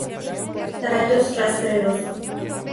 Tallos rastreros.